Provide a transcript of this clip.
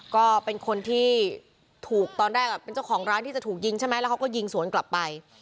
ก็เป็นคนที่ถูกตอนแรกเป็นเจ้าของร้านที่จะถูกยิงใช่ไหมแล้วเขาก็ยิงสวนกลับไป